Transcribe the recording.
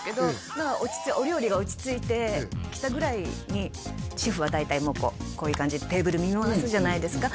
まあお料理が落ち着いてきたぐらいにシェフは大体こうこういう感じでテーブル見回すじゃないですか